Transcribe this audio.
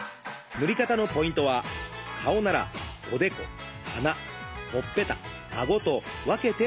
塗り方のポイントは顔ならおでこ鼻ほっぺたあごと分けて塗ること。